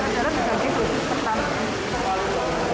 untuk yang belum sama sekali pasti